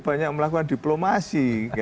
banyak melakukan diplomasi